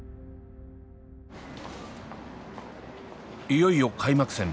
いよいよ開幕戦。